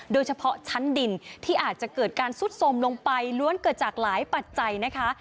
โดยเฉพาะชั้นดินที่อาจจะเกิดการซุดสมลงไปล้วนเกิดจากหลายปัจจัยนะคะ